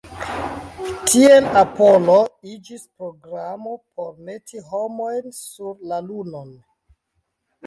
Tiel Apollo iĝis programo por meti homojn sur la Lunon.